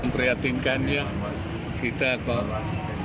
prihatinkan ya kita kok ada